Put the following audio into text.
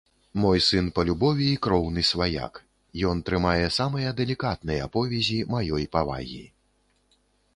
Мой сын па любові і кроўны сваяк, ён трымае самыя дэлікатныя повязі маёй павагі.